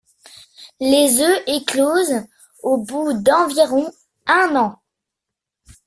Les œufs éclosent au bout d'environ un an.